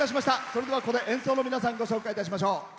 それでは、ここで演奏の皆さんをご紹介します。